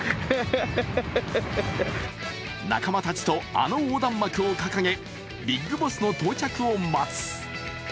仲間たちと、あの横断幕を掲げ、ビッグボスの到着を待つ。